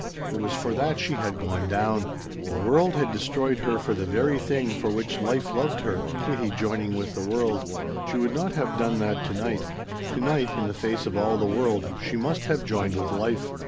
It was for that she had gone down. The world had destroyed her for the very thing for which life loved her Katie joining with the world. She would not have done that to night. To night, in the face of all the world, she must have joined with life.